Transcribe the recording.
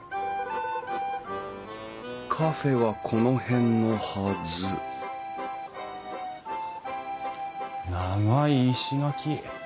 カフェはこの辺のはず長い石垣。